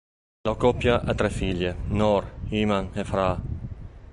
La coppia ha tre figlie: Noor, Iman e Farah.